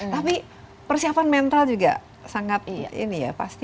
tapi persiapan mental juga sangat ini ya pasti